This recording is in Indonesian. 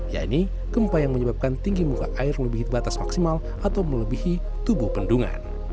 yakni gempa yang menyebabkan tinggi muka air melebihi batas maksimal atau melebihi tubuh bendungan